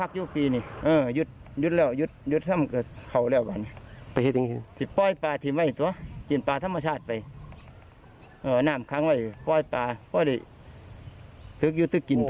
ทึกยิ้วทึกกิน